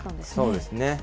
そうですね。